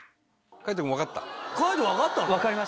海人分かったの？